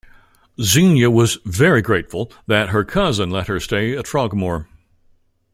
Xenia was "very grateful" that her cousin let her stay at Frogmore.